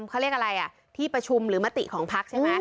เขาเรียกอะไรอ่ะที่ประชุมหรือมติของพักใช่ไหม